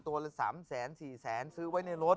ตัวละ๓๔แสนซื้อไว้ในรถ